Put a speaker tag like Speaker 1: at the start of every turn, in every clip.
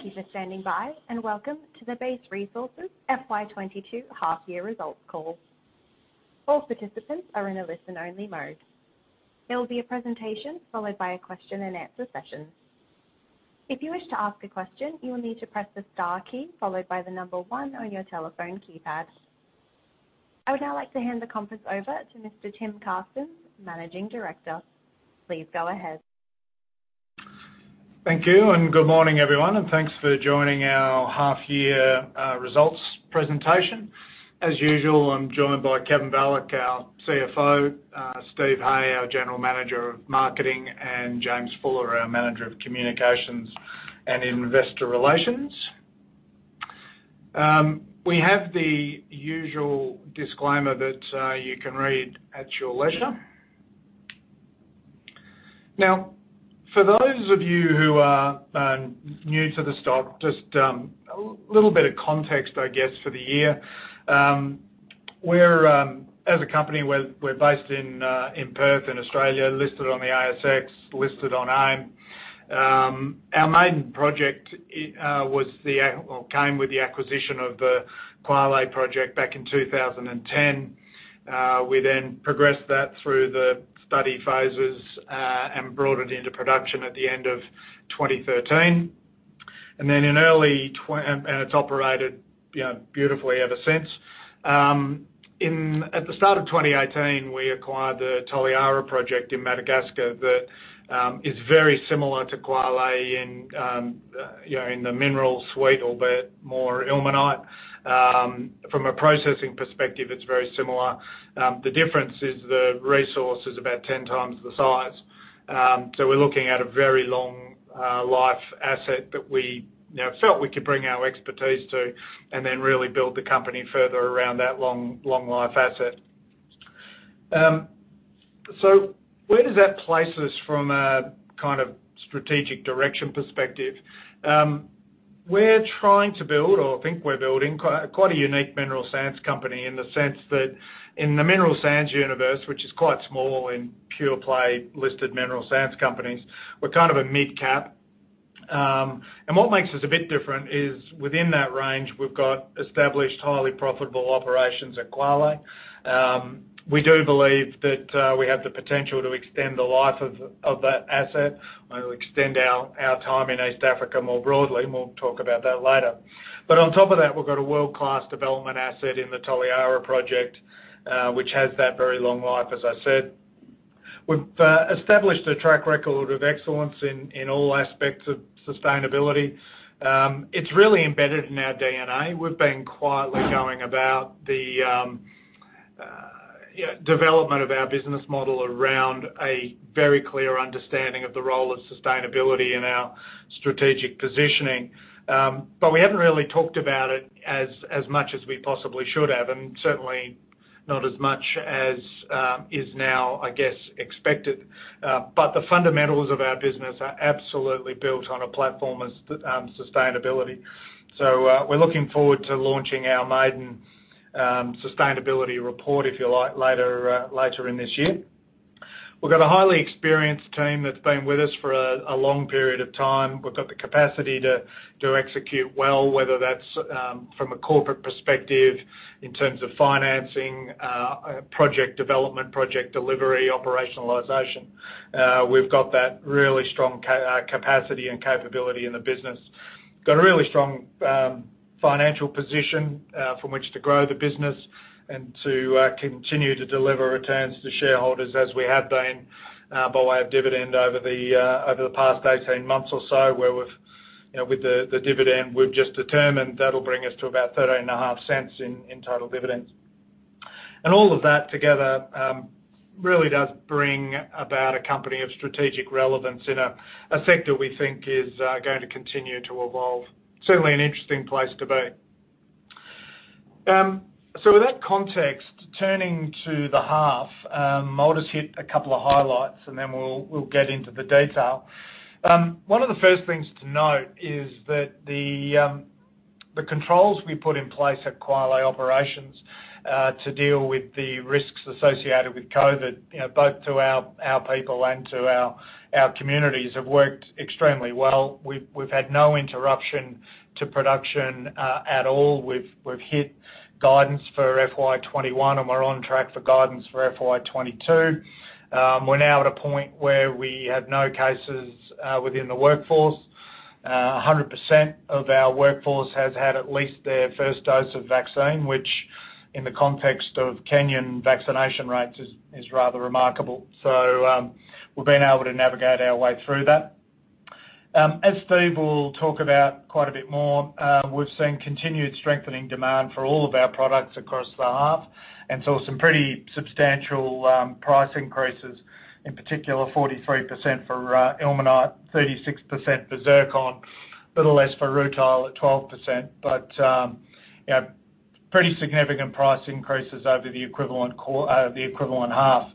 Speaker 1: Thank you for standing by, and welcome to the Base Resources FY 2022 half year results call. All participants are in a listen only mode. There will be a presentation, followed by a question and answer session. If you wish to ask a question, you will need to press the star key followed by the number one on your telephone keypad. I would now like to hand the conference over to Mr. Tim Carstens, Managing Director. Please go ahead.
Speaker 2: Thank you, and good morning, everyone, and thanks for joining our half year results presentation. As usual, I'm joined by Kevin Balloch, our CFO; Steve Hay, our General Manager of Marketing; and James Fuller, our Manager of Communications and Investor Relations. We have the usual disclaimer that you can read at your leisure. Now, for those of you who are new to the stock, just a little bit of context, I guess, for the year. We're, as a company, we're based in Perth in Australia, listed on the ASX, listed on AIM. Our maiden project came with the acquisition of the Kwale project back in 2010. We then progressed that through the study phases and brought it into production at the end of 2013. In early twenty, it's operated you know, beautifully ever since. At the start of 2018, we acquired the Toliara Project in Madagascar that is very similar to Kwale in you know, in the mineral suite, albeit more ilmenite. From a processing perspective, it's very similar. The difference is the resource is about 10x the size. We're looking at a very long life asset that we you know, felt we could bring our expertise to, and then really build the company further around that long life asset. Where does that place us from a kind of strategic direction perspective? We're trying to build or think we're building quite a unique mineral sands company in the sense that in the mineral sands universe, which is quite small in pure play listed mineral sands companies, we're kind of a midcap. What makes us a bit different is within that range, we've got established highly profitable operations at Kwale. We do believe that we have the potential to extend the life of that asset, extend our time in East Africa more broadly, and we'll talk about that later. On top of that, we've got a world-class development asset in the Toliara Project, which has that very long life, as I said. We've established a track record of excellence in all aspects of sustainability. It's really embedded in our DNA. We've been quietly going about the, you know, development of our business model around a very clear understanding of the role of sustainability in our strategic positioning. We haven't really talked about it as much as we possibly should have, and certainly not as much as is now, I guess, expected. The fundamentals of our business are absolutely built on a platform of sustainability. We're looking forward to launching our maiden sustainability report, if you like, later in this year. We've got a highly experienced team that's been with us for a long period of time. We've got the capacity to execute well, whether that's from a corporate perspective in terms of financing, project development, project delivery, operationalization. We've got that really strong capacity and capability in the business. Got a really strong financial position from which to grow the business and to continue to deliver returns to shareholders as we have been by way of dividend over the past 18 months or so, where we've, you know, with the dividend, we've just determined that'll bring us to about 0.135 in total dividends. All of that together really does bring about a company of strategic relevance in a sector we think is going to continue to evolve. Certainly an interesting place to be. With that context, turning to the half, I'll just hit a couple of highlights, and then we'll get into the detail. One of the first things to note is that the controls we put in place at Kwale Operations to deal with the risks associated with COVID, you know, both to our people and to our communities, have worked extremely well. We've had no interruption to production at all. We've hit guidance for FY 2021, and we're on track for guidance for FY 2022. We're now at a point where we have no cases within the workforce. 100% of our workforce has had at least their first dose of vaccine, which in the context of Kenyan vaccination rates is rather remarkable. We've been able to navigate our way through that. As Steve will talk about quite a bit more, we've seen continued strengthening demand for all of our products across the half. Saw some pretty substantial price increases, in particular 43% for ilmenite, 36% for zircon, a little less for rutile at 12%. You know, pretty significant price increases over the equivalent half,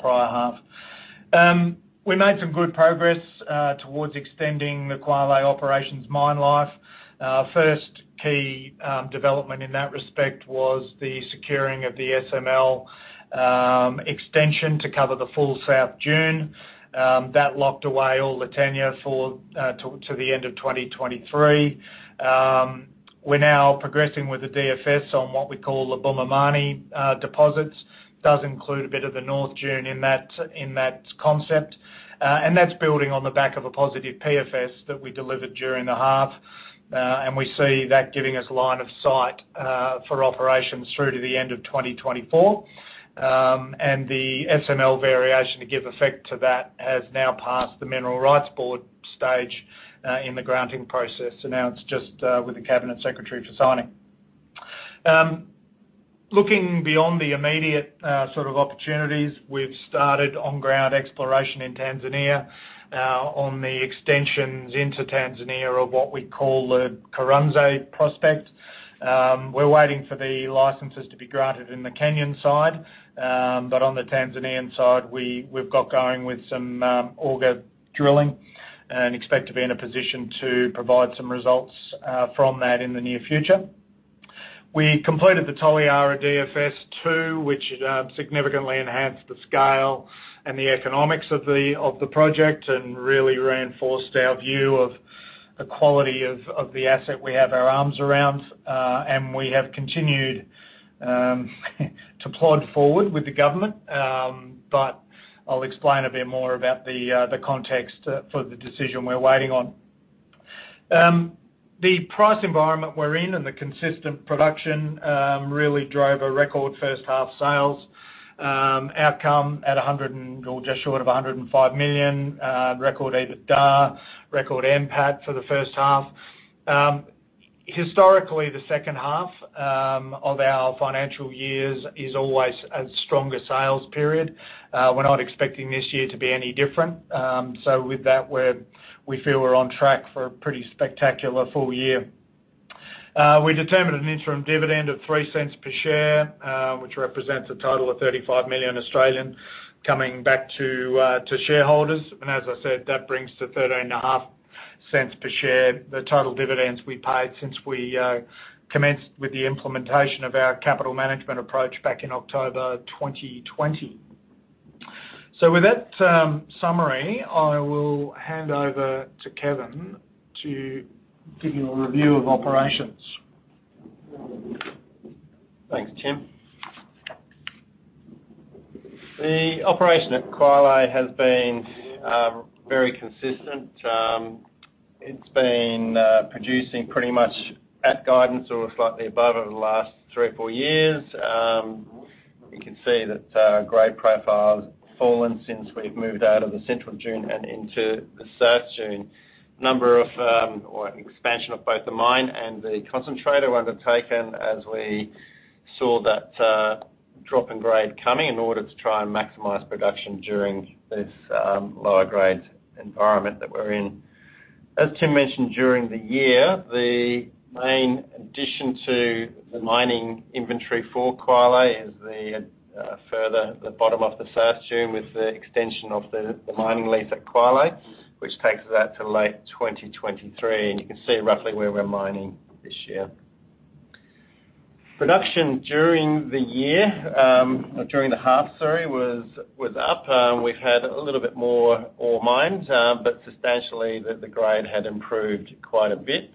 Speaker 2: prior half. We made some good progress towards extending the Kwale Operations mine life. Our first key development in that respect was the securing of the SML extension to cover the full South Dune. That locked away all [Litena for] till the end of 2023. We're now progressing with the DFS on what we call the Bumamani deposits. Does include a bit of the North Dune in that concept. That's building on the back of a positive PFS that we delivered during the half. We see that giving us line of sight for operations through to the end of 2024. The SML variation to give effect to that has now passed the Mineral Rights Board stage in the granting process. Now it's just with the cabinet secretary for signing. Looking beyond the immediate sort of opportunities, we've started on-ground exploration in Tanzania on the extensions into Tanzania of what we call the Kuranze prospect. We're waiting for the licenses to be granted on the Kenyan side. But on the Tanzanian side, we've got going with some auger drilling and expect to be in a position to provide some results from that in the near future. We completed the Toliara DFS2, which significantly enhanced the scale and the economics of the project, and really reinforced our view of the quality of the asset we have our arms around. We have continued to plod forward with the government. I'll explain a bit more about the context for the decision we're waiting on. The price environment we're in and the consistent production really drove a record first half sales outcome at just short of $105 million, record EBITDA, record NPAT for the first half. Historically, the second half of our financial years is always a stronger sales period. We're not expecting this year to be any different. With that, we feel we're on track for a pretty spectacular full year. We determined an interim dividend of 0.03 per share, which represents a total of 35 million coming back to shareholders. As I said, that brings to 0.135 per share the total dividends we paid since we commenced with the implementation of our capital management approach back in October 2020. With that summary, I will hand over to Kevin to give you a review of operations.
Speaker 3: Thanks, Tim. The operation at Kwale has been very consistent. It's been producing pretty much at guidance or slightly above over the last three or four years. You can see that grade profile has fallen since we've moved out of the Central Dune and into the South Dune. Expansion of both the mine and the concentrator were undertaken as we saw that drop in grade coming in order to try and maximize production during this lower grade environment that we're in. As Tim mentioned during the year, the main addition to the mining inventory for Kwale is the bottom of the South Dune with the extension of the mining lease at Kwale, which takes us out to late 2023. You can see roughly where we're mining this year. Production during the half was up. We've had a little bit more ore mined, but substantially the grade had improved quite a bit.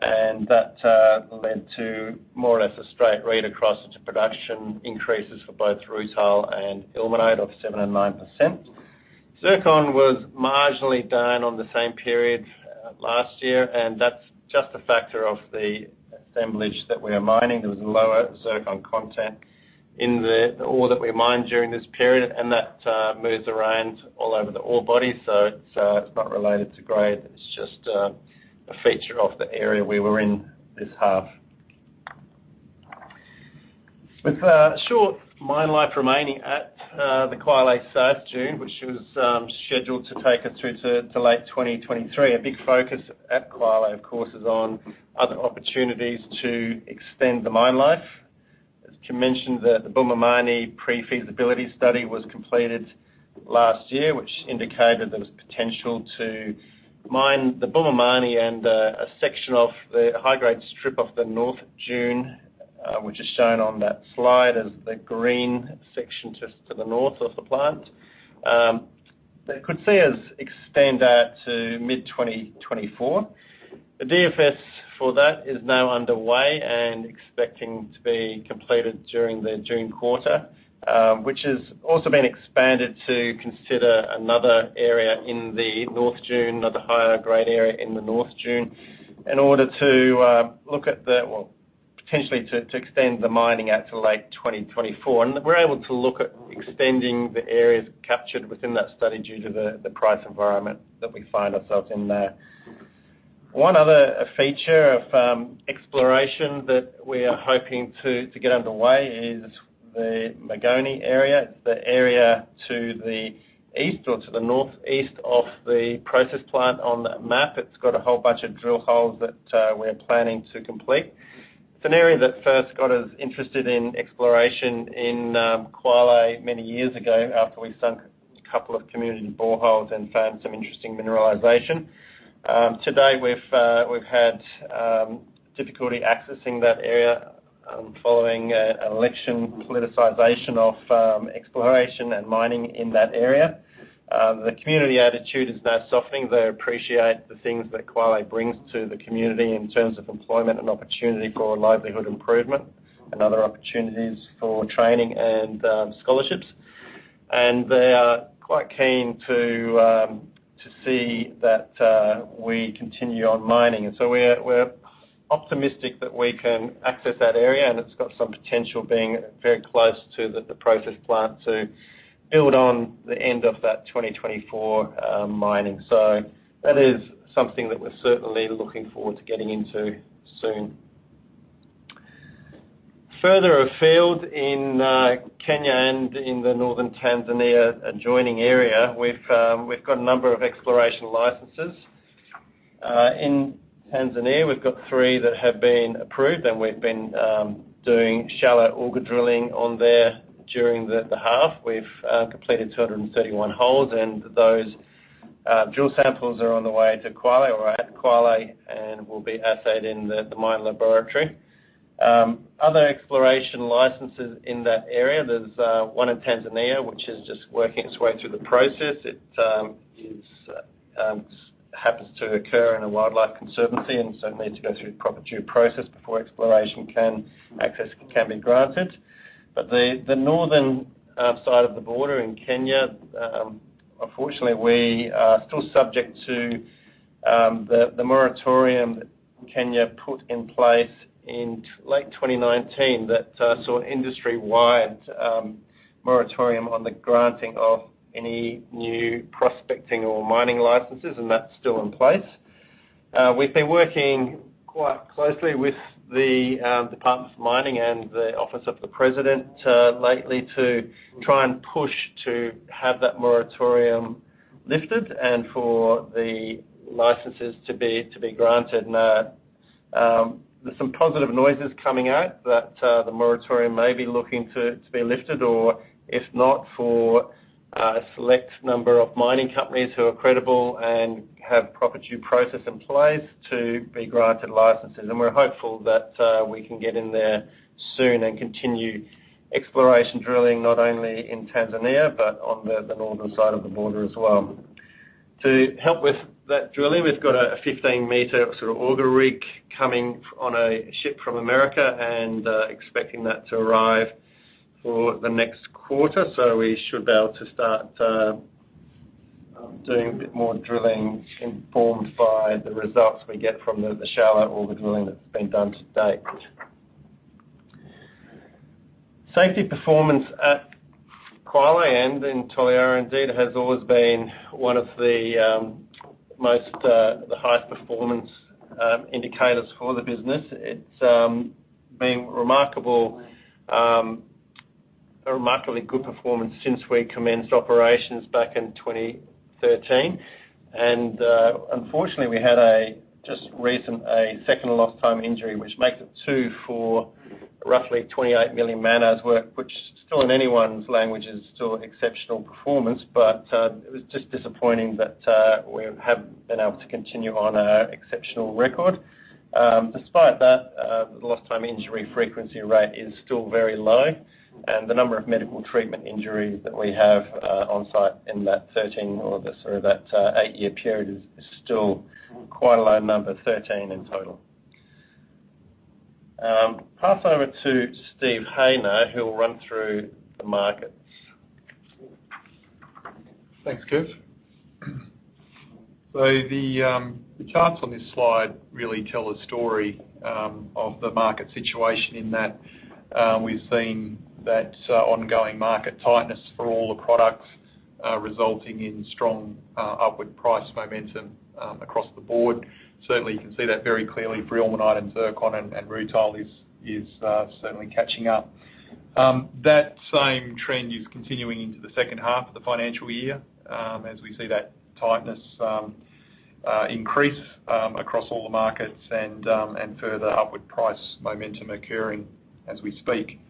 Speaker 3: That led to more or less a straight read across into production increases for both rutile and ilmenite of 7% and 9%. Zircon was marginally down on the same period last year, and that's just a factor of the assemblage that we are mining. There was lower zircon content in the ore that we mined during this period, and that moves around all over the ore body. It's not related to grade. It's just a feature of the area we were in this half. With a short mine life remaining at the Kwale South Dune, which was scheduled to take us through to late 2023, a big focus at Kwale, of course, is on other opportunities to extend the mine life. As Tim mentioned, the Bumamani pre-feasibility study was completed last year, which indicated there was potential to mine the Bumamani and a section of the high-grade strip of the North Dune, which is shown on that slide as the green section just to the north of the plant. That could see us extend out to mid 2024. The DFS for that is now underway and expecting to be completed during the June quarter, which has also been expanded to consider another higher-grade area in the North Dune in order to potentially to extend the mining out to late 2024. We're able to look at extending the areas captured within that study due to the price environment that we find ourselves in there. One other feature of exploration that we are hoping to get underway is the Magaoni area. It's the area to the East or to the North East of the process plant on the map. It's got a whole bunch of drill holes that we're planning to complete. It's an area that first got us interested in exploration in Kwale many years ago after we sunk a couple of community boreholes and found some interesting mineralization. Today we've had difficulty accessing that area. Following an election politicization of exploration and mining in that area, the community attitude is now softening. They appreciate the things that Kwale brings to the community in terms of employment and opportunity for livelihood improvement and other opportunities for training and scholarships. They are quite keen to see that we continue on mining. We're optimistic that we can access that area, and it's got some potential being very close to the process plant to build on the end of that 2024 mining. That is something that we're certainly looking forward to getting into soon. Further afield in Kenya and in the northern Tanzania adjoining area, we've got a number of exploration licenses. In Tanzania, we've got three that have been approved, and we've been doing shallow auger drilling on there during the half. We've completed 231 holes, and those drill samples are on the way to Kwale or at Kwale and will be assayed in the mine laboratory. Other exploration licenses in that area, there's one in Tanzania, which is just working its way through the process. It so happens to occur in a wildlife conservancy and so needs to go through proper due process before access can be granted. The northern side of the border in Kenya, unfortunately we are still subject to the moratorium Kenya put in place in late 2019 that saw an industry-wide moratorium on the granting of any new prospecting or mining licenses, and that's still in place. We've been working quite closely with the Department of Mining and the Office of the President lately to try and push to have that moratorium lifted and for the licenses to be granted. There's some positive noises coming out that the moratorium may be looking to be lifted, or if not, for a select number of mining companies who are credible and have proper due process in place to be granted licenses. We're hopeful that we can get in there soon and continue exploration drilling, not only in Tanzania, but on the northern side of the border as well. To help with that drilling, we've got a 15-meter sort of auger rig coming on a ship from America and expecting that to arrive for the next quarter. We should be able to start doing a bit more drilling informed by the results we get from the shallow auger drilling that's been done to date. Safety performance at Kwale and in Toliara indeed has always been one of the highest performance indicators for the business. It's been a remarkably good performance since we commenced operations back in 2013. Unfortunately, we had a just recent second lost time injury, which makes it two for roughly 28 million man hours work, which still in anyone's language is exceptional performance. It was just disappointing that we haven't been able to continue on our exceptional record. Despite that, the lost time injury frequency rate is still very low, and the number of medical treatment injuries that we have on site in that 13 or the sort of that eight-year period is still quite a low number, 13 in total. Pass over to Steve Hay, who will run through the markets.
Speaker 4: Thanks, Kev. The charts on this slide really tell a story of the market situation in that we've seen that ongoing market tightness for all the products resulting in strong upward price momentum across the board. Certainly, you can see that very clearly for ilmenite and zircon and rutile is certainly catching up. That same trend is continuing into the second half of the financial year as we see that tightness increase across all the markets and further upward price momentum occurring as we speak.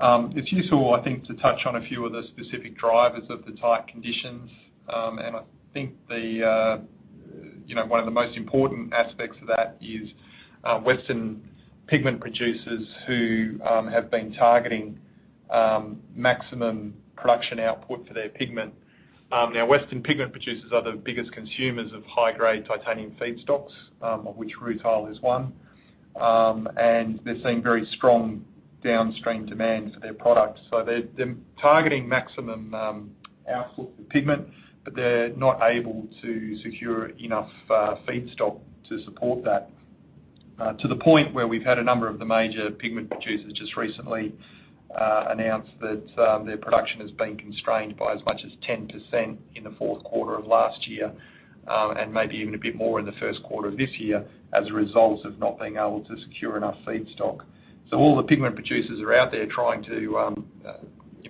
Speaker 4: It's useful, I think, to touch on a few of the specific drivers of the tight conditions. I think, you know, one of the most important aspects of that is western pigment producers who have been targeting maximum production output for their pigment. Western pigment producers are the biggest consumers of high-grade titanium feedstocks, of which rutile is one. They're seeing very strong downstream demand for their products. They're targeting maximum output for pigment, but they're not able to secure enough feedstock to support that, to the point where we've had a number of the major pigment producers just recently announce that their production has been constrained by as much as 10% in the fourth quarter of last year, and maybe even a bit more in the first quarter of this year as a result of not being able to secure enough feedstock. All the pigment producers are out there trying to, you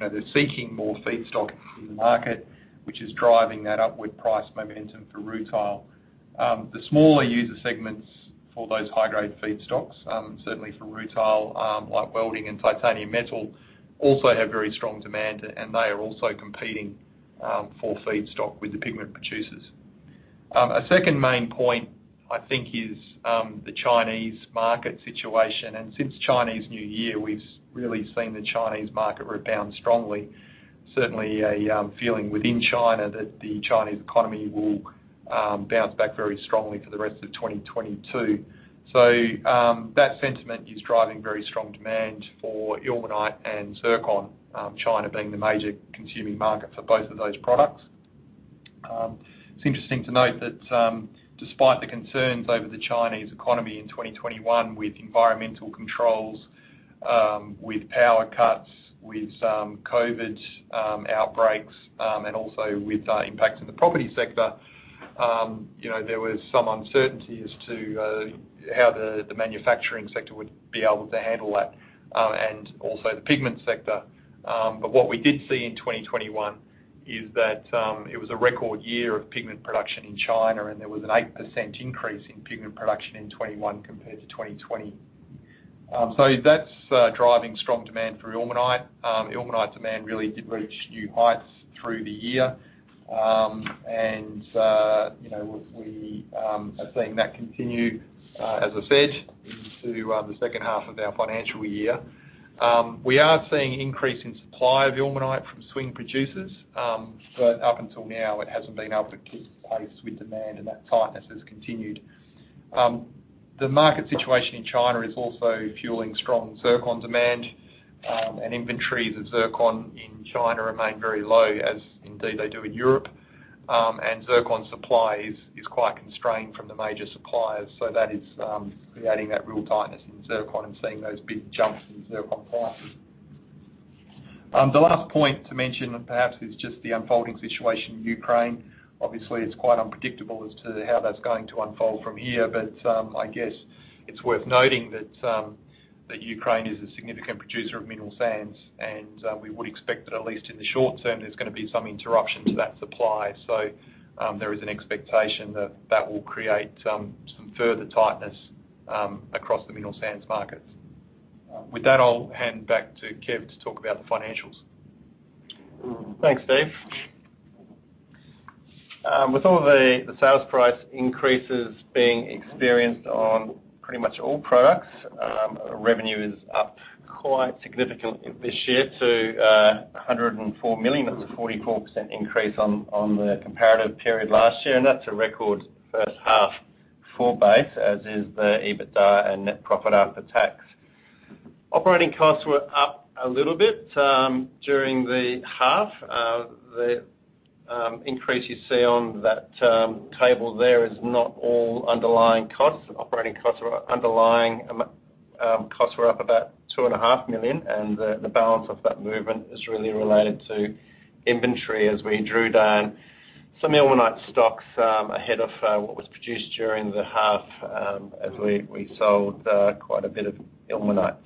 Speaker 4: know, they're seeking more feedstock in the market, which is driving that upward price momentum for rutile. The smaller user segments for those high-grade feedstocks, certainly for rutile, like welding and titanium metal, also have very strong demand, and they are also competing for feedstock with the pigment producers. A second main point, I think, is the Chinese market situation. Since Chinese New Year, we've really seen the Chinese market rebound strongly. Certainly a feeling within China that the Chinese economy will bounce back very strongly for the rest of 2022. That sentiment is driving very strong demand for ilmenite and zircon. China being the major consuming market for both of those products. It's interesting to note that, despite the concerns over the Chinese economy in 2021 with environmental controls, with power cuts, with some COVID outbreaks, and also with the impact in the property sector, you know, there was some uncertainty as to how the manufacturing sector would be able to handle that, and also the pigment sector. What we did see in 2021 is that, it was a record year of pigment production in China, and there was an 8% increase in pigment production in 2021 compared to 2020. That's driving strong demand for ilmenite. Ilmenite demand really did reach new heights through the year. You know, we are seeing that continue, as I said, into the second half of our financial year. We are seeing an increase in supply of ilmenite from swing producers. Up until now, it hasn't been able to keep pace with demand, and that tightness has continued. The market situation in China is also fueling strong zircon demand, and inventories of zircon in China remain very low, as indeed they do in Europe. Zircon supply is quite constrained from the major suppliers. That is creating that real tightness in zircon and seeing those big jumps in zircon prices. The last point to mention perhaps is just the unfolding situation in Ukraine. It's quite unpredictable as to how that's going to unfold from here. I guess it's worth noting that Ukraine is a significant producer of mineral sands. We would expect that at least in the short term, there's gonna be some interruption to that supply. There is an expectation that that will create some further tightness across the mineral sands markets. With that, I'll hand back to Kev to talk about the financials.
Speaker 3: Thanks, Steve. With all the sales price increases being experienced on pretty much all products, revenue is up quite significantly this year to $104 million. That was a 44% increase on the comparative period last year. That's a record first half for Base, as is the EBITDA and net profit after tax. Operating costs were up a little bit during the half. The increase you see on that table there is not all underlying costs. Underlying costs were up about $2.5 million, and the balance of that movement is really related to inventory as we drew down some ilmenite stocks ahead of what was produced during the half, as we sold quite a bit of ilmenite.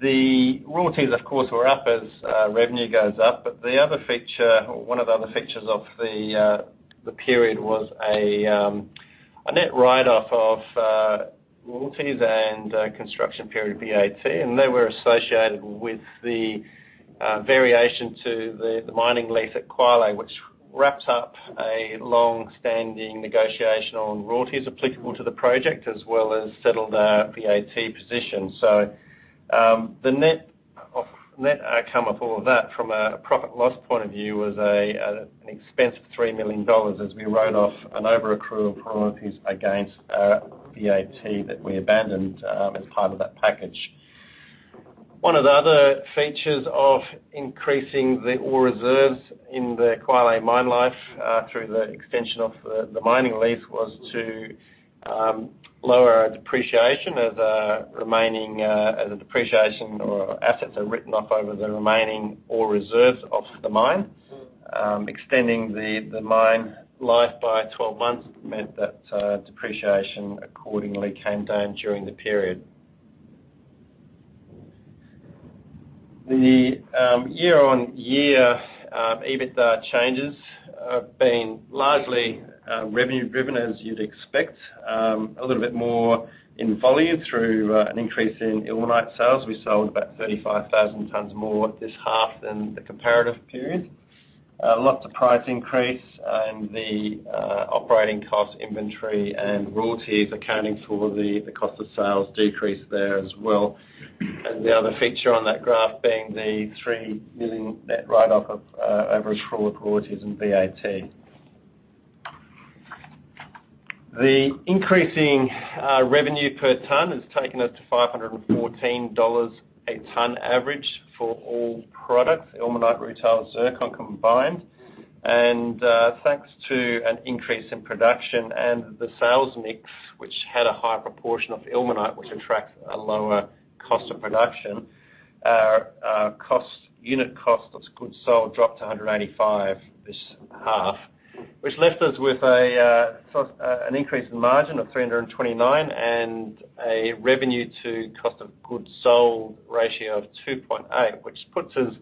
Speaker 3: The royalties of course were up as revenue goes up. The other feature or of the other features of the period was a net write-off of royalties and construction period VAT. They were associated with the variation to the mining lease at Kwale, which wrapped up a longstanding negotiation on royalties applicable to the project, as well as settled our VAT position. The net outcome of all of that from a P&L point of view was an expense of 3 million dollars as we wrote off an over accrual of royalties against our VAT that we abandoned as part of that package. One of the other features of increasing the ore reserves in the Kwale mine life through the extension of the mining lease was to lower our depreciation as the remaining assets are written off over the remaining ore reserves of the mine. Extending the mine life by 12 months meant that depreciation accordingly came down during the period. The year-on-year EBITDA changes have been largely revenue driven, as you'd expect. A little bit more in volume through an increase in ilmenite sales. We sold about 35,000 tons more this half than the comparative period. Lots of price increase and the operating cost, inventory, and royalties accounting for the cost of sales decrease there as well. The other feature on that graph being the 3 million net write-off of over accrual of royalties and VAT. The increasing revenue per ton has taken us to $514 a ton average for all products, ilmenite, rutile, zircon combined. Thanks to an increase in production and the sales mix, which had a higher proportion of ilmenite, which attracts a lower cost of production, our unit cost of goods sold dropped to 185 this half. Which left us with an increase in margin of 329 and a revenue to cost of goods sold ratio of 2.8, which puts us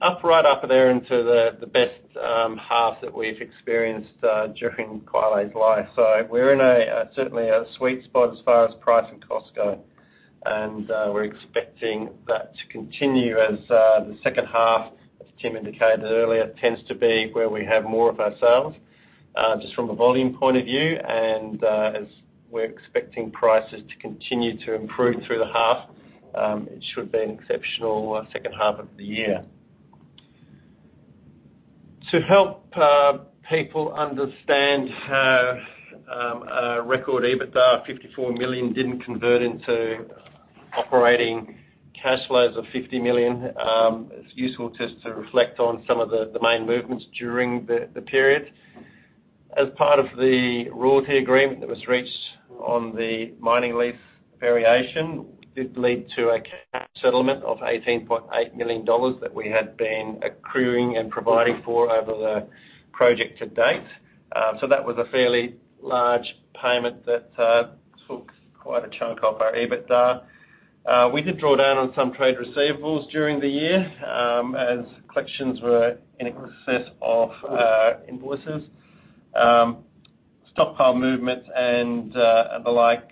Speaker 3: up right up there into the best half that we've experienced during Kwale's life. We're in a certainly a sweet spot as far as price and costs go. We're expecting that to continue as the second half, as Tim indicated earlier, tends to be where we have more of our sales just from a volume point of view. As we're expecting prices to continue to improve through the half, it should be an exceptional second half of the year. To help people understand how a record EBITDA of $54 million didn't convert into operating cash flows of $50 million, it's useful just to reflect on some of the main movements during the period. As part of the royalty agreement that was reached on the mining lease variation, it did lead to a cash settlement of $18.8 million that we had been accruing and providing for over the project to date. So that was a fairly large payment that took quite a chunk off our EBITDA. We did draw down on some trade receivables during the year, as collections were in excess of invoices. Stockpile movements and and the like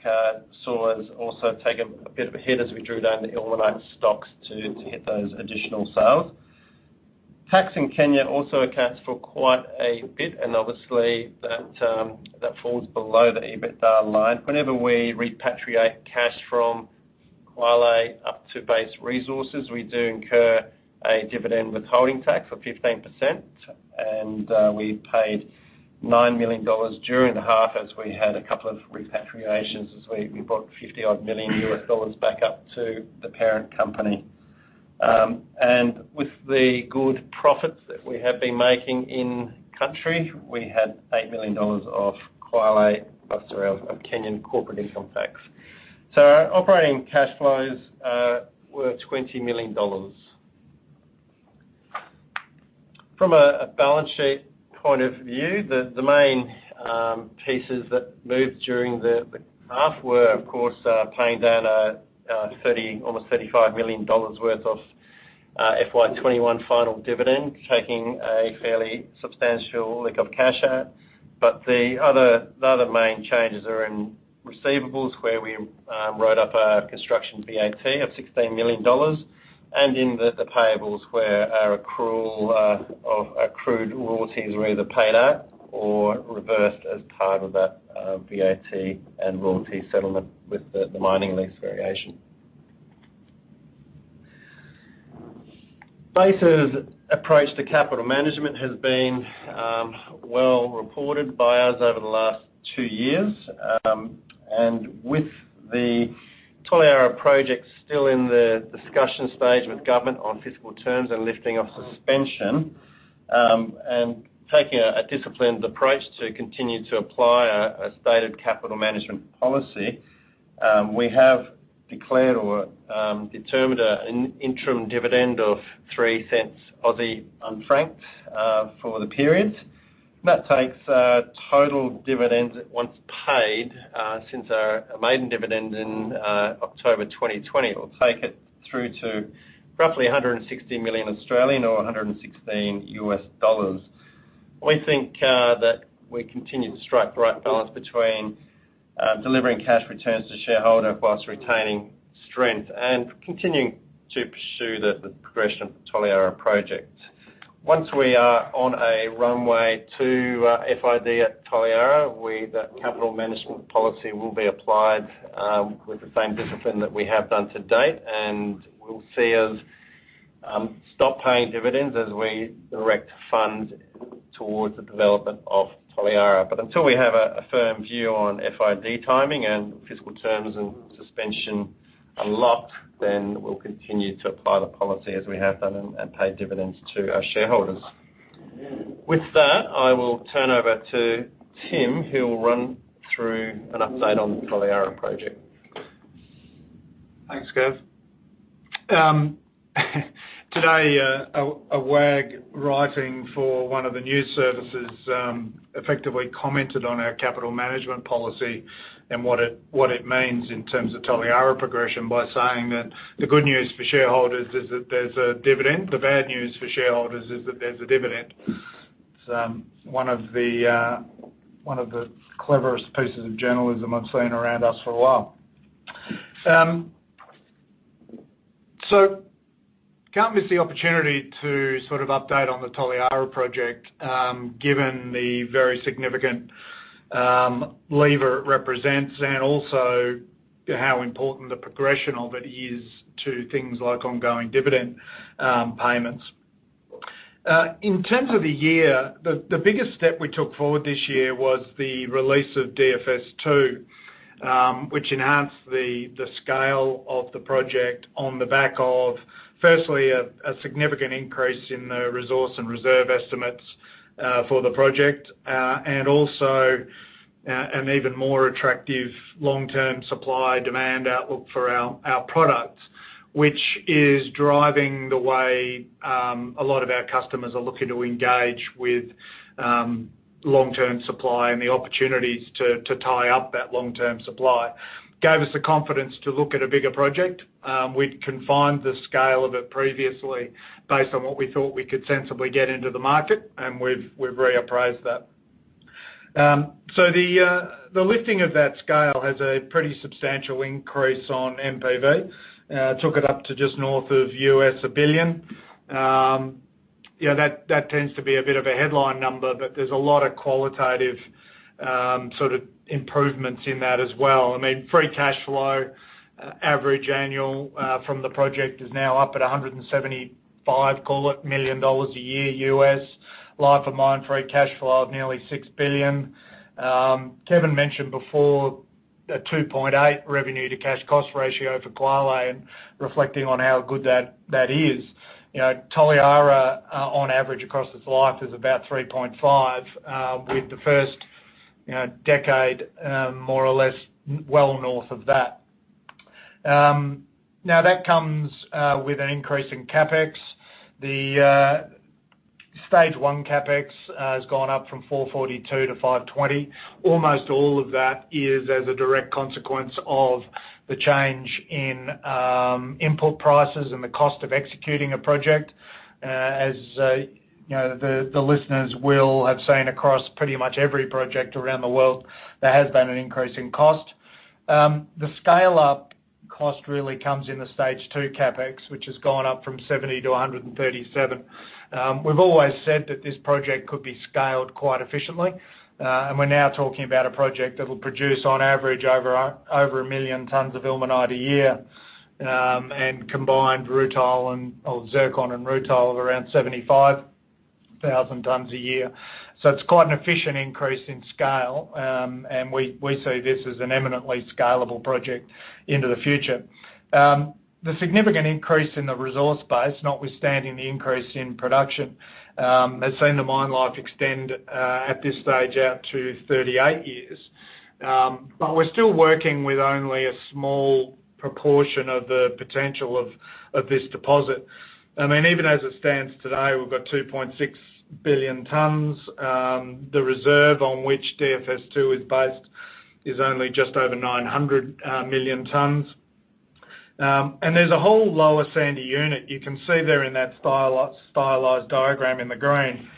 Speaker 3: saw us also take a bit of a hit as we drew down the ilmenite stocks to hit those additional sales. Tax in Kenya also accounts for quite a bit, and obviously that falls below the EBITDA line. Whenever we repatriate cash from Kwale up to Base Resources, we do incur a dividend withholding tax of 15%. We paid $9 million during the half as we had a couple of repatriations as we brought $50-odd million U.S. dollars back up to the parent company. With the good profits that we have been making in country, we had $8 million of Kwale plus the rest of Kenyan corporate income tax. Our operating cash flows were $20 million. From a balance sheet point of view, the main pieces that moved during the half were, of course, paying down almost 35 million dollars worth of FY 2021 final dividend, taking a fairly substantial lick of cash out. The other main changes are in receivables, where we wrote up our construction VAT of $16 million, and in the payables where our accrual of accrued royalties were either paid out or reversed as part of that VAT and royalty settlement with the mining lease variation. Base's approach to capital management has been well reported by us over the last two years. With the Toliara Project still in the discussion stage with government on fiscal terms and lifting of suspension, and taking a disciplined approach to continue to apply a stated capital management policy, we have declared or determined an interim dividend of 0.03 unfranked for the period. That takes total dividends once paid since our maiden dividend in October 2020. It'll take it through to roughly 160 million or $116 million. We think that we continue to strike the right balance between delivering cash returns to shareholder while retaining strength and continuing to pursue the progression of the Toliara Project. Once we are on a runway to FID at Toliara, the capital management policy will be applied with the same discipline that we have done to date. We'll see us stop paying dividends as we direct funds towards the development of Toliara. Until we have a firm view on FID timing and fiscal terms and suspension unlocked, we'll continue to apply the policy as we have done and pay dividends to our shareholders. With that, I will turn over to Tim, who will run through an update on the Toliara Project.
Speaker 2: Thanks, Gav. Today, a wag writing for one of the news services effectively commented on our capital management policy and what it means in terms of Toliara progression by saying that the good news for shareholders is that there's a dividend. The bad news for shareholders is that there's a dividend. It's one of the cleverest pieces of journalism I've seen around us for a while. Can't miss the opportunity to sort of update on the Toliara Project, given the very significant lever it represents and also how important the progression of it is to things like ongoing dividend payments. In terms of the year, the biggest step we took forward this year was the release of DFS2, which enhanced the scale of the project on the back of, firstly, a significant increase in the resource and reserve estimates for the project. Also, an even more attractive long-term supply-demand outlook for our products, which is driving the way a lot of our customers are looking to engage with long-term supply and the opportunities to tie up that long-term supply. Gave us the confidence to look at a bigger project. We'd confined the scale of it previously based on what we thought we could sensibly get into the market, and we've reappraised that. The lifting of that scale has a pretty substantial increase on NPV. Took it up to just north of $1 billion. You know, that tends to be a bit of a headline number, but there's a lot of qualitative sort of improvements in that as well. I mean, free cash flow average annual from the project is now up at $175, call it, million dollars a year US. Life of mine free cash flow of nearly $6 billion. Kevin mentioned before a 2.8 revenue to cash cost ratio for Kwale and reflecting on how good that is. You know, Toliara on average across its life is about 3.5 with the first, you know, decade more or less well north of that. Now that comes with an increase in CapEx. The stage one CapEx has gone up from $442 million-$520 million. Almost all of that is as a direct consequence of the change in input prices and the cost of executing a project. As you know, the listeners will have seen across pretty much every project around the world, there has been an increase in cost. The scale-up cost really comes in the stage two CapEx, which has gone up from $70-$137. We've always said that this project could be scaled quite efficiently, and we're now talking about a project that will produce on average over 1 million tons of ilmenite a year, and combined rutile and, or zircon and rutile of around 75,000 tons a year. It's quite an efficient increase in scale, and we see this as an eminently scalable project into the future. The significant increase in the resource base, notwithstanding the increase in production, has seen the mine life extend at this stage out to 38 years. We're still working with only a small proportion of the potential of this deposit. I mean, even as it stands today, we've got 2.6 billion tons. The reserve on which DFS2 is based is only just over 900 million tons. There's a whole lower sandy unit. You can see there in that stylized diagram in the green.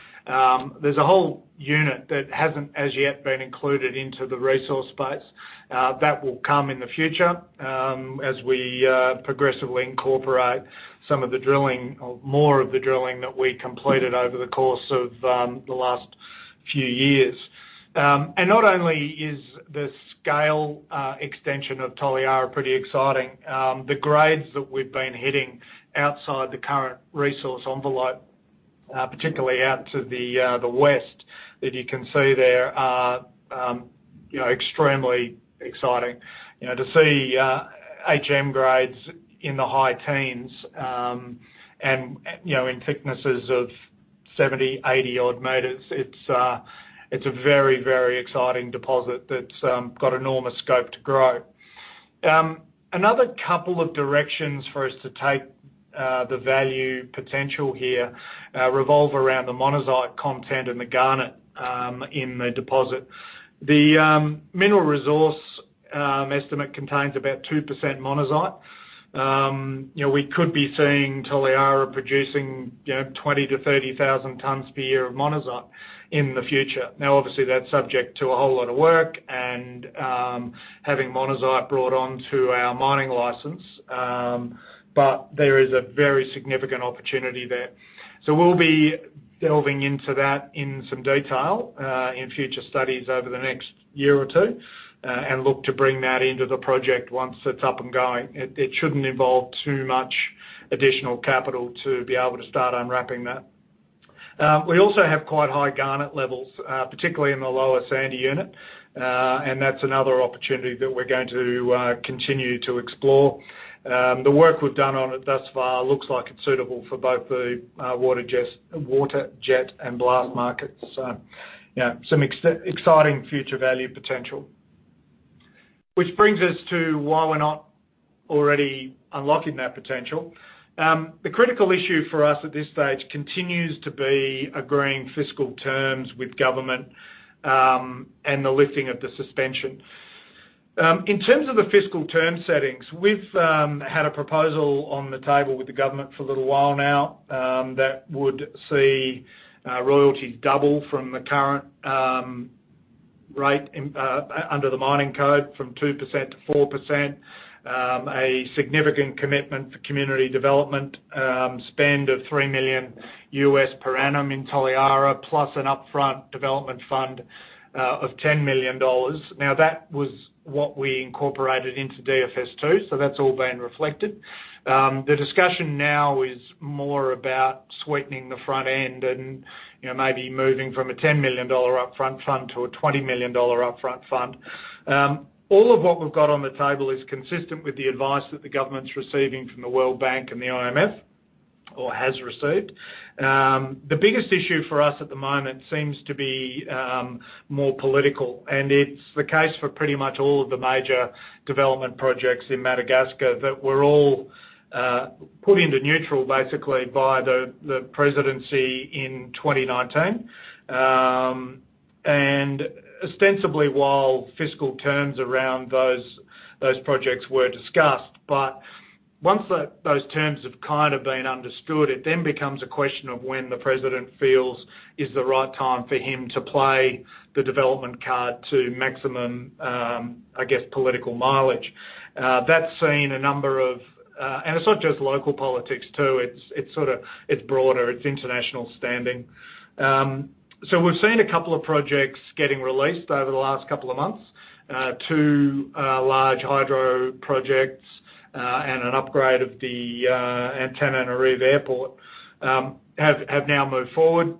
Speaker 2: There's a whole unit that hasn't as yet been included into the resource space. That will come in the future as we progressively incorporate some of the drilling or more of the drilling that we completed over the course of the last few years. Not only is the scale extension of Toliara pretty exciting, the grades that we've been hitting outside the current resource envelope, particularly out to the west that you can see there are, you know, extremely exciting. You know, to see HM grades in the high teens, and, you know, in thicknesses of 70, 80-odd meters, it's a very, very exciting deposit that's got enormous scope to grow. Another couple of directions for us to take the value potential here revolve around the monazite content and the garnet in the deposit. The mineral resource estimate contains about 2% monazite. You know, we could be seeing Toliara producing, you know, 20,000-30,000 tons per year of monazite in the future. Now, obviously, that's subject to a whole lot of work and having monazite brought on to our mining license. There is a very significant opportunity there. We'll be delving into that in some detail in future studies over the next year or two and look to bring that into the project once it's up and going. It shouldn't involve too much additional capital to be able to start unwrapping that. We also have quite high garnet levels, particularly in the lower sandy unit. That's another opportunity that we're going to continue to explore. The work we've done on it thus far looks like it's suitable for both the water jet and blast markets. You know, some exciting future value potential. Which brings us to why we're not already unlocking that potential. The critical issue for us at this stage continues to be agreeing fiscal terms with government, and the lifting of the suspension. In terms of the fiscal term settings, we've had a proposal on the table with the government for a little while now, that would see royalties double from the current rate under the mining code from 2%-4%. A significant commitment for community development spend of $3 million per annum in Toliara, plus an upfront development fund of $10 million. Now, that was what we incorporated into DFS2. That's all been reflected. The discussion now is more about sweetening the front end and, you know, maybe moving from a $10 million upfront fund to a $20 million upfront fund. All of what we've got on the table is consistent with the advice that the government's receiving from the World Bank and the IMF, or has received. The biggest issue for us at the moment seems to be more political. It's the case for pretty much all of the major development projects in Madagascar that were all put into neutral basically by the presidency in 2019. Ostensibly, while fiscal terms around those projects were discussed. Once those terms have kind of been understood, it then becomes a question of when the president feels is the right time for him to play the development card to maximum, I guess, political mileage. That's seen a number of. It's not just local politics, too. It's sorta broader. It's international standing. We've seen a couple of projects getting released over the last couple of months. Two large hydro projects and an upgrade of the Antananarivo Airport have now moved forward.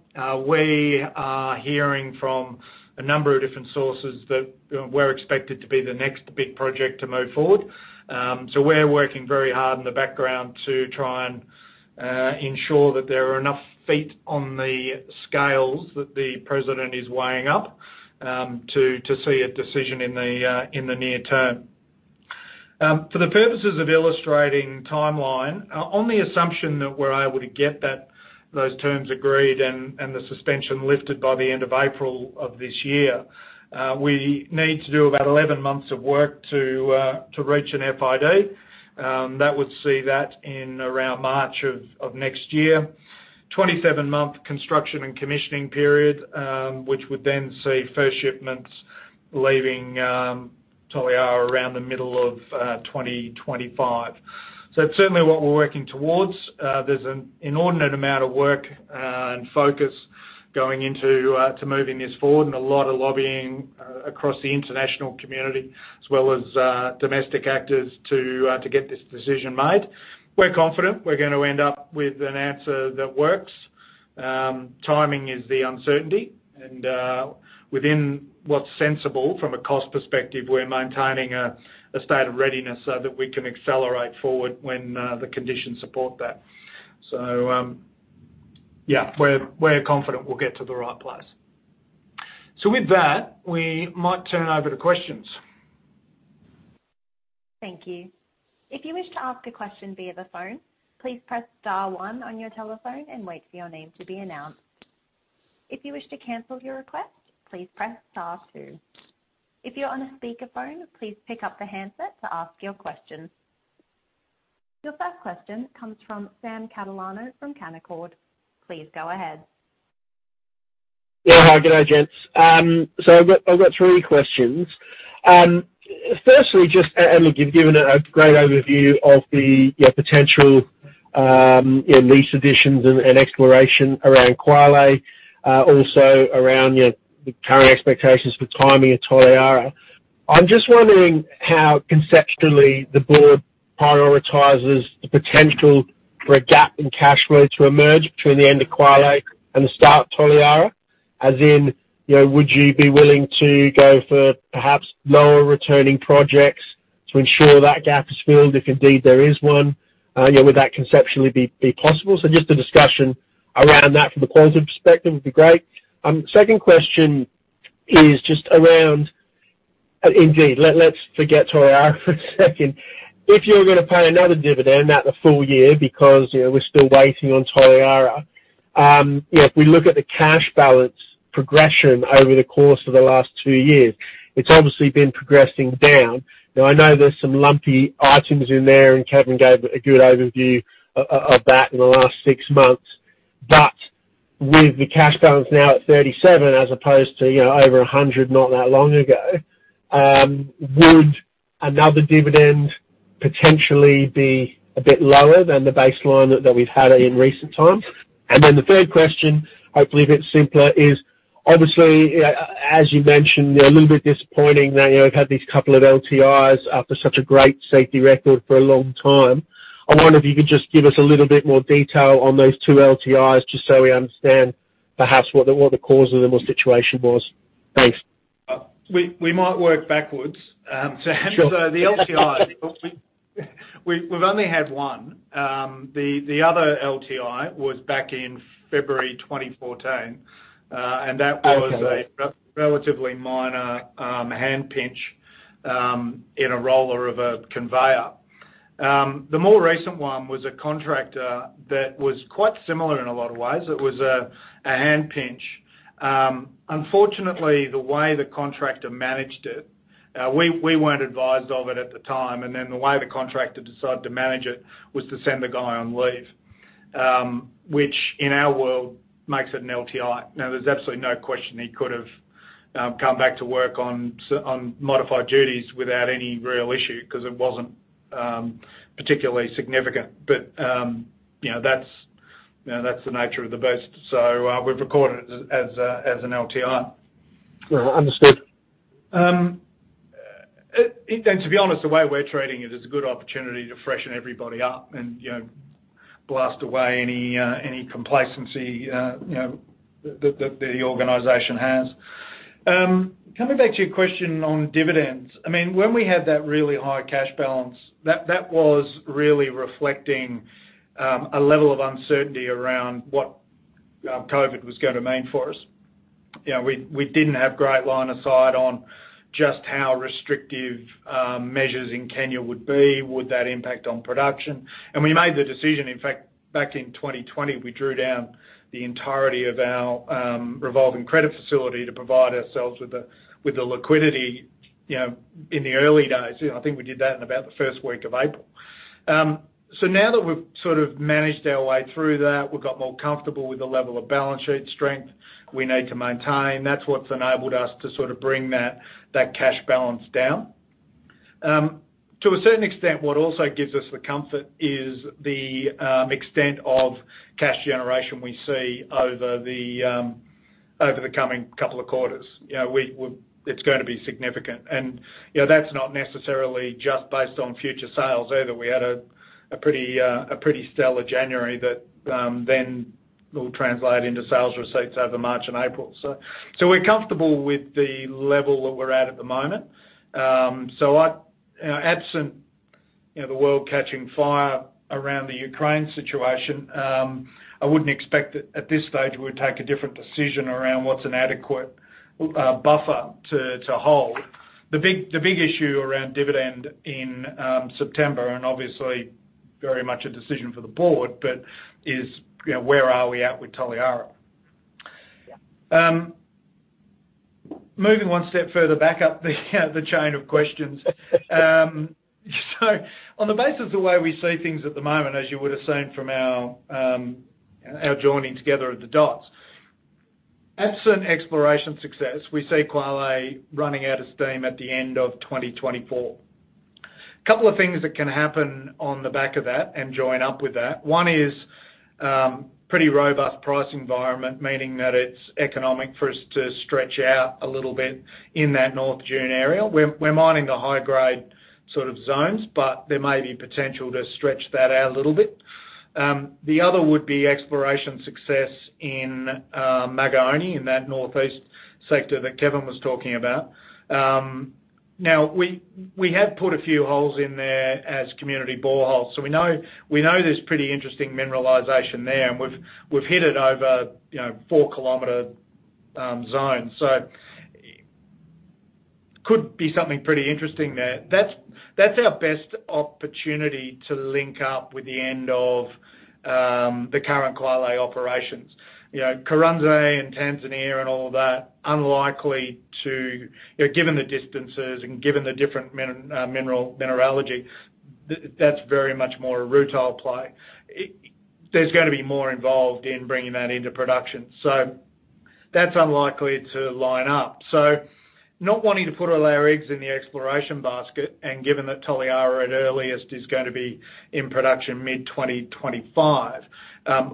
Speaker 2: We are hearing from a number of different sources that we're expected to be the next big project to move forward. We're working very hard in the background to try and ensure that there are enough feet on the scales that the president is weighing up to see a decision in the near term. For the purposes of illustrating timeline, on the assumption that we're able to get those terms agreed and the suspension lifted by the end of April of this year, we need to do about 11 months of work to reach an FID. That would see that in around March of next year. 27-month construction and commissioning period, which would then see first shipments leaving Toliara around the middle of 2025. It's certainly what we're working towards. There's an inordinate amount of work and focus going into moving this forward and a lot of lobbying across the international community as well as domestic actors to get this decision made. We're confident we're gonna end up with an answer that works. Timing is the uncertainty and within what's sensible from a cost perspective, we're maintaining a state of readiness so that we can accelerate forward when the conditions support that. Yeah, we're confident we'll get to the right place. With that, we might turn over to questions.
Speaker 1: Thank you. If you wish to ask a question via the phone, please press star one on your telephone and wait for your name to be announced. If you wish to cancel your request, please press star two. If you're on a speakerphone, please pick up the handset to ask your question. Your first question comes from Sam Catalano from Canaccord. Please go ahead.
Speaker 5: Yeah, hi. Good day, gents. I've got three questions. Firstly, look, you've given a great overview of your potential lease additions and exploration around Kwale, also around the current expectations for timing at Toliara. I'm just wondering how conceptually the board prioritizes the potential for a gap in cash flow to emerge between the end of Kwale and the start of Toliara. As in, you know, would you be willing to go for perhaps lower returning projects to ensure that gap is filled, if indeed there is one? You know, would that conceptually be possible? Just a discussion around that from a qualitative perspective would be great. Second question is just around, indeed, let's forget Toliara for a second. If you're gonna pay another dividend, not the full year because, you know, we're still waiting on Toliara, you know, if we look at the cash balance progression over the course of the last two years, it's obviously been progressing down. Now, I know there's some lumpy items in there, and Kevin gave a good overview of that in the last six months. With the cash balance now at $37 as opposed to, you know, over $100 not that long ago, would another dividend potentially be a bit lower than the baseline that we've had in recent times? Then the third question, hopefully a bit simpler, is obviously, as you mentioned, a little bit disappointing that, you know, we've had these couple of LTIs after such a great safety record for a long time. I wonder if you could just give us a little bit more detail on those two LTIs, just so we understand perhaps what the cause of the situation was. Thanks.
Speaker 2: We might work backwards.
Speaker 5: Sure.
Speaker 2: The LTI. We've only had one. The other LTI was back in February 2014, and that was-
Speaker 5: Okay.
Speaker 2: A relatively minor hand pinch in a roller of a conveyor. The more recent one was a contractor that was quite similar in a lot of ways. It was a hand pinch. Unfortunately, the way the contractor managed it, we weren't advised of it at the time. Then the way the contractor decided to manage it was to send the guy on leave, which in our world makes it an LTI. Now, there's absolutely no question he could have come back to work on modified duties without any real issue 'cause it wasn't particularly significant. You know, that's the nature of the beast. We've recorded it as an LTI.
Speaker 5: Understood.
Speaker 2: To be honest, the way we're treating it is a good opportunity to freshen everybody up and, you know, blast away any complacency, you know, that the organization has. Coming back to your question on dividends. I mean, when we had that really high cash balance, that was really reflecting a level of uncertainty around what COVID was gonna mean for us. You know, we didn't have great line of sight on just how restrictive measures in Kenya would be. Would that impact on production? We made the decision, in fact, back in 2020, we drew down the entirety of our revolving credit facility to provide ourselves with the liquidity, you know, in the early days. You know, I think we did that in about the first week of April. Now that we've sort of managed our way through that, we've got more comfortable with the level of balance sheet strength we need to maintain. That's what's enabled us to sort of bring that cash balance down. To a certain extent, what also gives us the comfort is the extent of cash generation we see over the coming couple of quarters. You know, it's going to be significant. You know, that's not necessarily just based on future sales either. We had a pretty stellar January that then will translate into sales receipts over March and April. We're comfortable with the level that we're at the moment. I you know absent you know the world catching fire around the Ukraine situation I wouldn't expect that at this stage we would take a different decision around what's an adequate buffer to hold. The big issue around dividend in September and obviously very much a decision for the board but is you know where are we at with Toliara.
Speaker 5: Yeah.
Speaker 2: Moving one step further back up the chain of questions. On the basis of the way we see things at the moment, as you would have seen from our joining together of the dots. Absent exploration success, we see Kwale running out of steam at the end of 2024. Couple of things that can happen on the back of that and join up with that. One is, pretty robust price environment, meaning that it's economic for us to stretch out a little bit in that North Dune area. We're mining the high-grade sort of zones, but there may be potential to stretch that out a little bit. The other would be exploration success in Magaoni, in that North East sector that Kevin was talking about. Now we have put a few holes in there as community boreholes. We know there's pretty interesting mineralization there, and we've hit it over 4 km zones. Could be something pretty interesting there. That's our best opportunity to link up with the end of the current Kwale Operations. Kuranze and Tanzania and all that unlikely to, given the distances and the different mineralogy, that's very much more a rutile play. There's gonna be more involved in bringing that into production. That's unlikely to line up. Not wanting to put all our eggs in the exploration basket, and given that Toliara at earliest is gonna be in production mid-2025,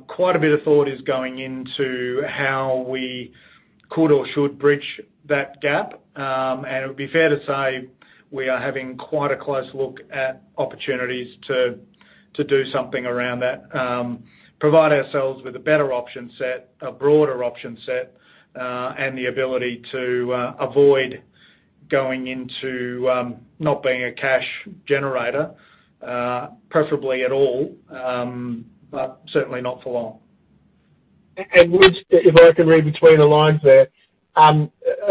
Speaker 2: quite a bit of thought is going into how we could or should bridge that gap. It would be fair to say we are having quite a close look at opportunities to do something around that, provide ourselves with a better option set, a broader option set, and the ability to avoid going into not being a cash generator, preferably at all, but certainly not for long.
Speaker 5: Would, if I can read between the lines there, are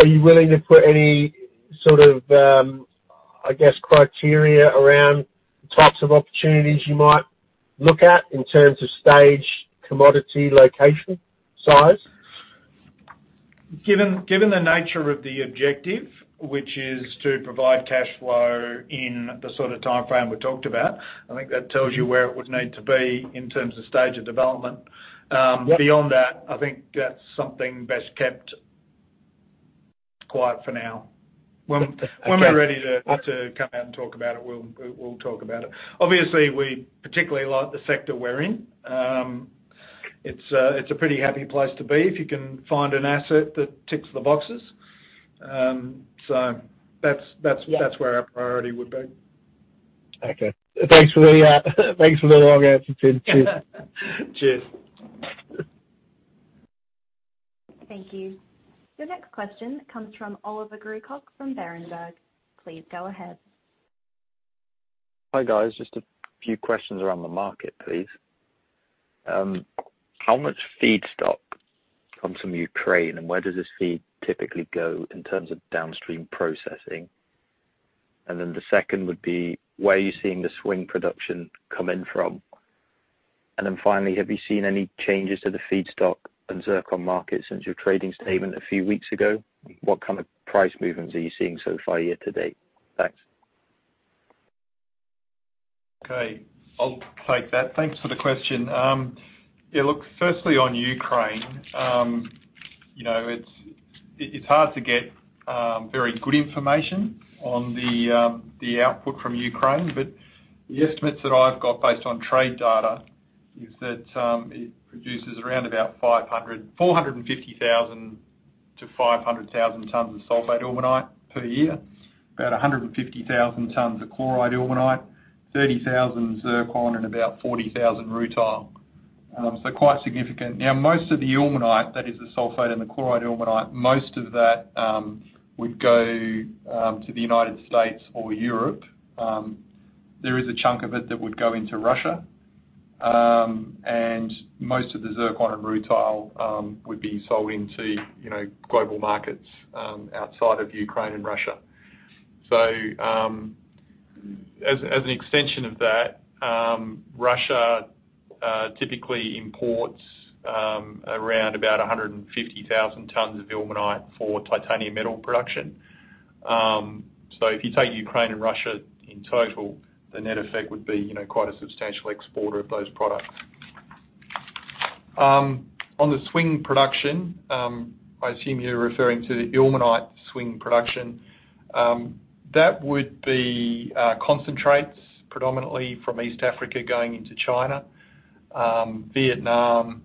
Speaker 5: you willing to put any sort of, I guess, criteria around types of opportunities you might look at in terms of stage, commodity, location, size?
Speaker 2: Given the nature of the objective, which is to provide cash flow in the sort of timeframe we talked about, I think that tells you where it would need to be in terms of stage of development. Beyond that, I think that's something best kept quiet for now.
Speaker 5: Okay.
Speaker 2: When we're ready to come out and talk about it, we'll talk about it. Obviously, we particularly like the sector we're in. It's a pretty happy place to be if you can find an asset that ticks the boxes. That's where our priority would be.
Speaker 5: Okay. Thanks for the long answer, Tim. Cheers.
Speaker 2: Cheers.
Speaker 1: Thank you. The next question comes from Oliver Grewcock from Berenberg. Please go ahead.
Speaker 6: Hi, guys. Just a few questions around the market, please. How much feedstock comes from Ukraine? Where does this feed typically go in terms of downstream processing? The second would be, where are you seeing the swing production come in from? Finally, have you seen any changes to the feedstock and zircon markets since your trading statement a few weeks ago? What kind of price movements are you seeing so far year to date? Thanks.
Speaker 4: Okay. I'll take that. Thanks for the question. Yeah, look, firstly, on Ukraine, you know, it's hard to get very good information on the output from Ukraine. The estimates that I've got based on trade data is that it produces around about 450,000-500,000 tons of sulfate ilmenite per year, about 150,000 tons of chloride ilmenite, 30,000 zircon, and about 40,000 rutile. Quite significant. Now, most of the ilmenite, that is the sulfate and the chloride ilmenite, most of that would go to the United States or Europe. There is a chunk of it that would go into Russia. Most of the zircon and rutile would be sold into, you know, global markets outside of Ukraine and Russia. As an extension of that, Russia typically imports around about 150,000 tons of ilmenite for titanium metal production. If you take Ukraine and Russia in total, the net effect would be, you know, quite a substantial exporter of those products. On the swing production, I assume you're referring to the ilmenite swing production. That would be concentrates predominantly from East Africa going into China, Vietnam,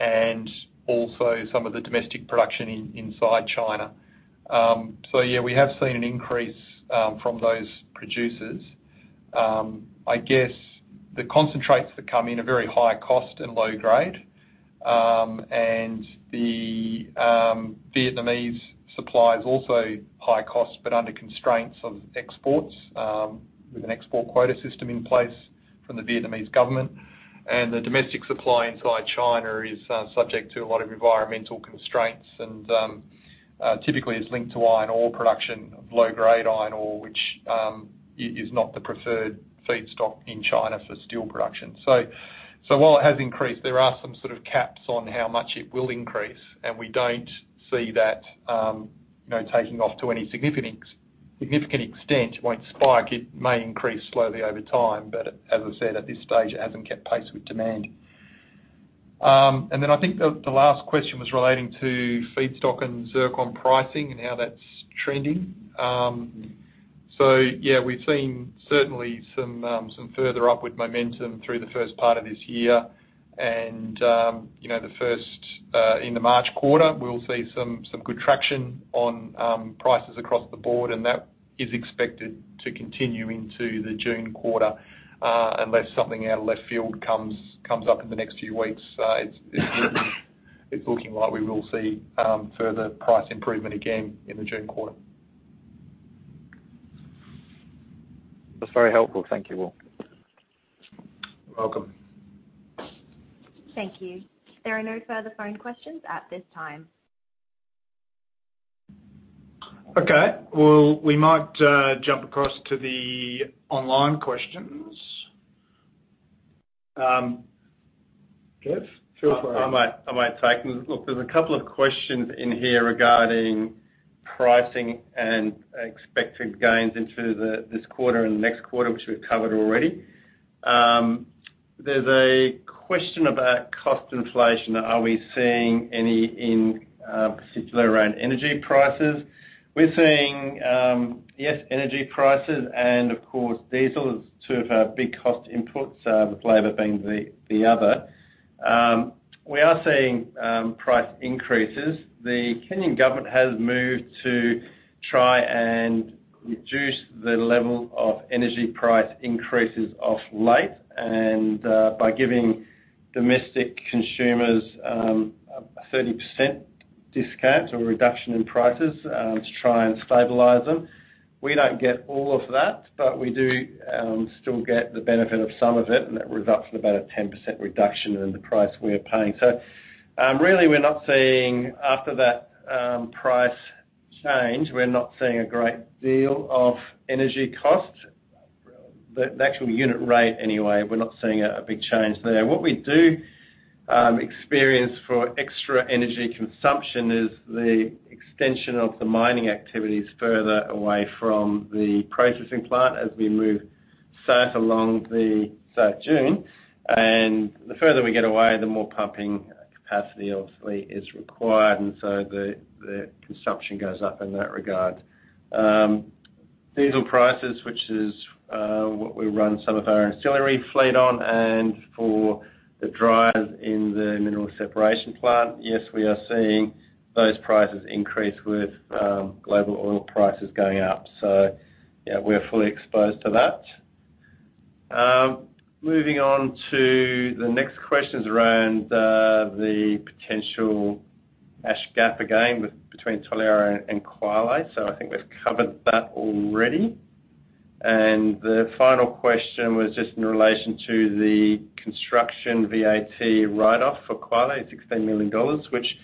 Speaker 4: and also some of the domestic production inside China. Yeah, we have seen an increase from those producers. I guess the concentrates that come in are very high cost and low grade. The Vietnamese supply is also high cost, but under constraints of exports, with an export quota system in place from the Vietnamese government. The domestic supply inside China is subject to a lot of environmental constraints and typically is linked to iron ore production of low-grade iron ore, which is not the preferred feedstock in China for steel production. While it has increased, there are some sort of caps on how much it will increase, and we don't see that, you know, taking off to any significant extent. It won't spike. It may increase slowly over time. As I said, at this stage, it hasn't kept pace with demand. Then I think the last question was relating to feedstock and zircon pricing and how that's trending. Yeah, we've seen certainly some further upward momentum through the first part of this year. You know, the first in the March quarter, we'll see some good traction on prices across the board, and that is expected to continue into the June quarter, unless something out of left field comes up in the next few weeks. It's looking like we will see further price improvement again in the June quarter.
Speaker 6: That's very helpful. Thank you all.
Speaker 4: You're welcome.
Speaker 1: Thank you. There are no further phone questions at this time.
Speaker 2: Okay. Well, we might jump across to the online questions. Kev, feel free.
Speaker 3: I might take them. Look, there's a couple of questions in here regarding pricing and expected gains into this quarter and next quarter, which we've covered already. There's a question about cost inflation. Are we seeing any in particular around energy prices? We're seeing yes, energy prices and of course diesel as two of our big cost inputs, labour being the other. We are seeing price increases. The Kenyan government has moved to try and reduce the level of energy price increases of late and by giving domestic consumers a 30% discount, so a reduction in prices to try and stabilize them. We don't get all of that, but we do still get the benefit of some of it, and that results in about a 10% reduction in the price we are paying. Really, after that price change, we're not seeing a great deal of change in energy costs. The actual unit rate anyway, we're not seeing a big change there. What we do experience for extra energy consumption is the extension of the mining activities further away from the processing plant as we move south along the South Dune. The further we get away, the more pumping capacity obviously is required, and so the consumption goes up in that regard. Diesel prices, which is what we run some of our ancillary fleet on and for the dryers in the mineral separation plant, yes, we are seeing those prices increase with global oil prices going up. Yeah, we're fully exposed to that. Moving on to the next questions around the potential cash gap again between Toliara and Kwale. I think we've covered that already. The final question was just in relation to the construction VAT write-off for Kwale, $16 million, which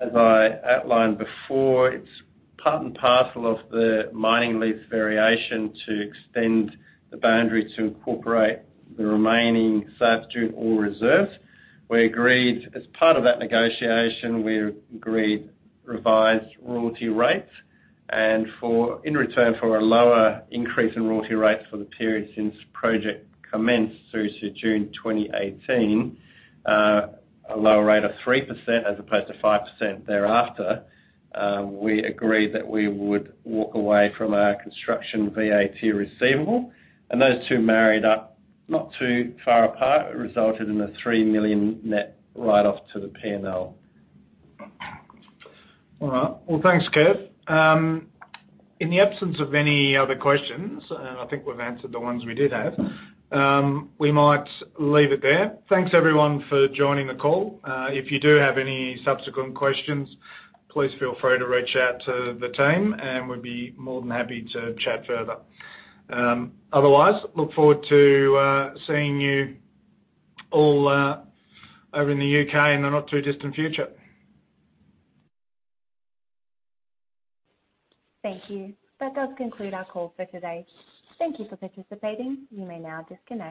Speaker 3: as I outlined before, it's part and parcel of the mining lease variation to extend the boundary to incorporate the remaining South Dune ore reserves. We agreed, as part of that negotiation, revised royalty rates. In return for a lower increase in royalty rates for the period since project commenced through to June 2018, a lower rate of 3% as opposed to 5% thereafter, we agreed that we would walk away from our construction VAT receivable. Those two married up not too far apart, it resulted in a 3 million net write-off to the P&L.
Speaker 2: All right. Well, thanks, Kev. In the absence of any other questions, and I think we've answered the ones we did have, we might leave it there. Thanks everyone for joining the call. If you do have any subsequent questions, please feel free to reach out to the team, and we'd be more than happy to chat further. Otherwise, look forward to seeing you all over in the U.K. in the not too distant future.
Speaker 1: Thank you. That does conclude our call for today. Thank you for participating. You may now disconnect.